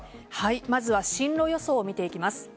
まずは進路予想を見ていきます。